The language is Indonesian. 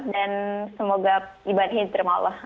dan semoga ibadahnya diterima allah